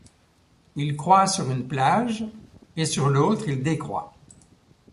Il croît sur une plage et. sur l'autre il décroît ;